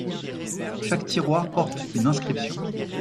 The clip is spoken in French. Chaque tiroir porte une inscription.